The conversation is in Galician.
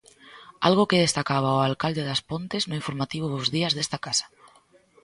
Algo que destacaba o alcalde das Pontes no informativo Bos Días desta casa.